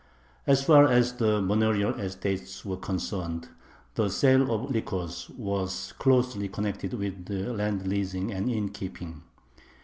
As far as the manorial estates were concerned, the sale of liquors was closely connected with land leasing and innkeeping.